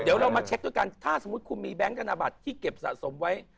เดี๋ยวเรามาเช็คด้วยกันถ้าสมมุติคุณมีแบงค์ธนบัตรที่เก็บสะสมไว้